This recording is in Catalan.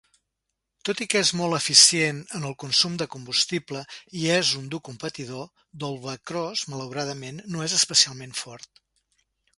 Tot i que és molt eficient en el consum de combustible i és un dur competidor, Doublecross malauradament no és especialment fort.